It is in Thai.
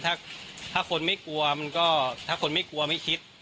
ถ้าคนไม่กลัวมันก็ถ้าคนไม่กลัวไม่คิด